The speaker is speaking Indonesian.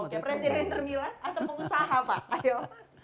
oke presiden inter milan atau pengusaha pak ayo